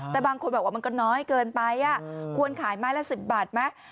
แต่บางคนบอกว่ามันก็น้อยเกินไปควรขายไม้ละ๑๐บาทไหม